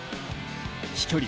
飛距離